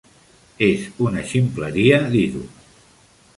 És una ximpleria dir-ho.